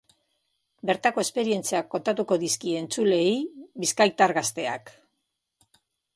Bertako esperientziak kontatuko dizkie entzuleei bizkaitar gazteak.